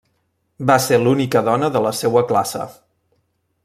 Va ser l'única dona de la seua classe.